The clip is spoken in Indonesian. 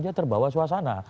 dia terbawa suasana